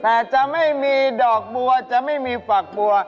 แต่จะไม่มีดอกบัวจะไม่มีฝักบัว